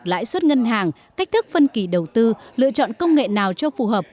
lãi suất ngân hàng cách thức phân kỳ đầu tư lựa chọn công nghệ nào cho phù hợp